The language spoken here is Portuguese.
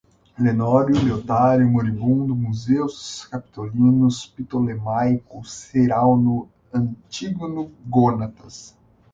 Leonório, Leotário, moribundo, Museus Capitolinos, ptolemaico, Cerauno, Antígono Gônatas